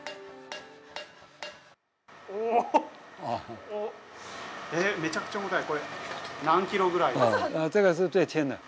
おお、めちゃくちゃ重たい。